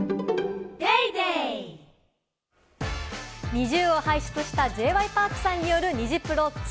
ＮｉｚｉＵを輩出したＪ．Ｙ．Ｐａｒｋさんによるニジプロ２。